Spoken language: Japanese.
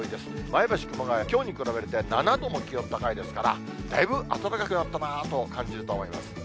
前橋、熊谷は、きょうに比べると７度も気温高いですから、だいぶ暖かくなったなと感じると思います。